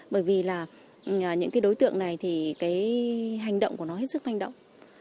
bởi vì là những cái đối tượng này thì cái hành động của nó hết sức manh động